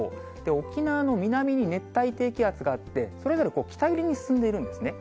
沖縄の南に熱帯低気圧があって、それぞれ北寄りに進んでいるんですね。